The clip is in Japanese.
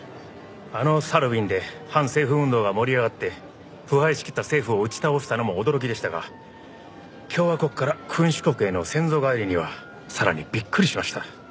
あのサルウィンで反政府運動が盛り上がって腐敗しきった政府を打ち倒したのも驚きでしたが共和国から君主国への先祖返りにはさらにびっくりしました。